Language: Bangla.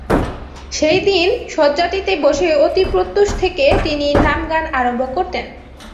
সেই দীন শয্যাটিতে বসে অতি প্রত্যূষ থেকে তিনি নামগান আরম্ভ করতেন।